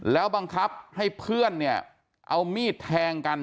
แล้วบังคับให้เพื่อนเนี่ยเอามีดแทงกัน